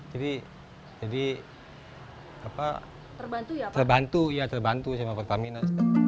jadi jadi apa terbantu ya terbantu sama pertamina